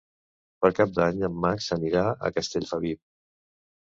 Per Cap d'Any en Max anirà a Castellfabib.